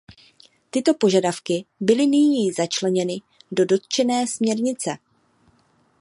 Tyto požadavky byly nyní začleněny do dotčené směrnice.